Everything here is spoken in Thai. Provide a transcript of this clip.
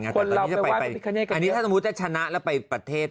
อันนี้ถ้าสมมุติจะชนะแล้วไปประเทศ